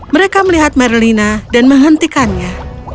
mereka melihat merlina dan menghentikannya